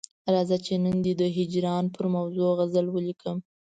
راځه چې نن دي د هجران پر موضوع غزل ولیکم.